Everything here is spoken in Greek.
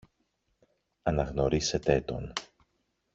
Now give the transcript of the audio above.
αναγνωρίσετε τον